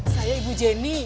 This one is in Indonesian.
saya ibu jenny